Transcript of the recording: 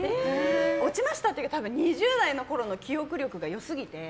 落ちましたっていうか２０代のころの記憶力が良すぎて。